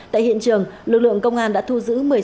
tại hiện trường lực lượng công an đã thu giữ